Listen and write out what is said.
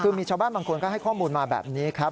คือมีชาวบ้านบางคนก็ให้ข้อมูลมาแบบนี้ครับ